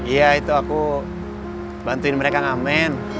iya itu aku bantuin mereka ngamen